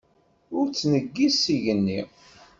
Ur ttneggiz s igenni.